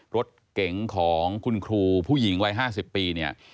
รถเก๋งของคุณครูผู้หญิงวัย๕๐ปีเนี่ย